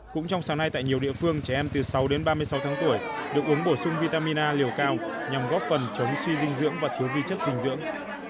cũng trong sáng nay tại nhiều địa phương trẻ em từ sáu đến ba mươi sáu tháng tuổi được uống bổ sung vitamin a liều cao nhằm góp phần chống suy dinh dưỡng và thiếu vi chất dinh dưỡng